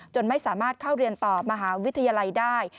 ไม่สามารถเข้าเรียนต่อมหาวิทยาลัยได้